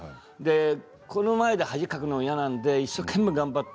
この前で恥をかくのが嫌だから一生懸命頑張って